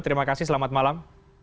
terima kasih selamat malam